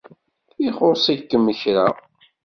ixuṣ-ikem kra.